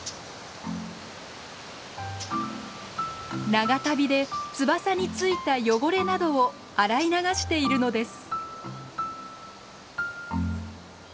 長旅で翼についた汚れなどを洗い流しているのです。